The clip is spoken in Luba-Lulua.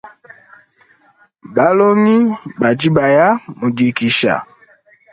Balongi badi baya mu dikisha.